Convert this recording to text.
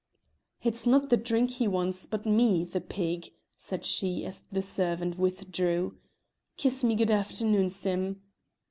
"It's not the drink he wants, but me, the pig," said she as the servant withdrew. "Kiss me good afternoon, Sim."